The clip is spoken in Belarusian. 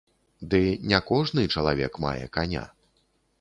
Ды не кожны чалавек мае каня.